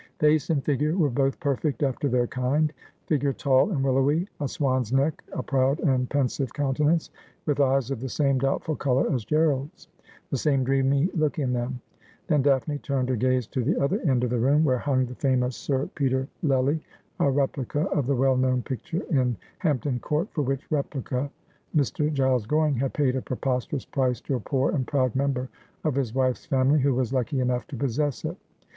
Face and figure were both perfect after their kind — figure tall and willowy, a swan's neck, a proud and pensive countenance, with eyes of the same doubtful colour as Gerald's, the same dreamy look in them. Then Daphne turned her gaze to the other end of the room, where hung the famous Sir Peter Lely, a replica of the well known picture in Hampton Court, for which replica Mr. Giles Goring had paid a prepos terous price to a poor and proud member of his wife's family, who was lucky enough to possess it.